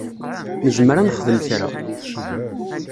Nezmer ad nexdem kra.